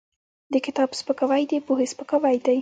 د کتاب سپکاوی د پوهې سپکاوی دی.